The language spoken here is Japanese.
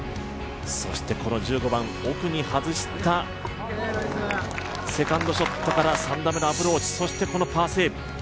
この１５番、奥に外したセカンドショットから３打目のアプローチ、そしてこのパーセーブ。